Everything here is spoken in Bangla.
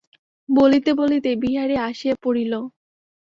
বলিতে বলিতে বিহারী আসিয়া পড়িল।